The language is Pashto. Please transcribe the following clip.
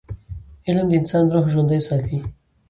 علم د انسان روح ژوندي ساتي.